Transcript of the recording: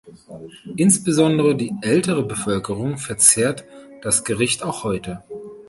Insbesondere die ältere Bevölkerung verzehrt das Gericht auch heute.